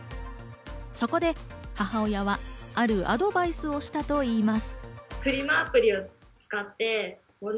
そこで母親はあるアドバイスをしたといいます。